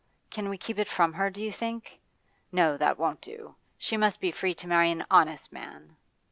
Can we keep it from her, do you think? No, that won't do; she must be free to marry an honest man.